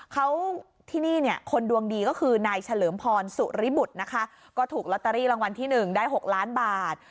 เขาที่นี่เนี่ยคนดวงดีก็คือนายเฉลิมพรสุริบุตรนะคะก็ถูกลอตเตอรี่รางวัลที่๑ได้๖ล้านบาท